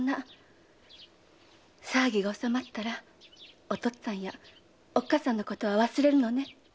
騒ぎが収まったらお父っつぁんやおっかさんのことは忘れるのね。